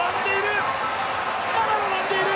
並んでいる。